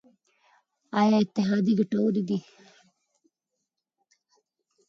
آیا اتحادیې ګټورې دي؟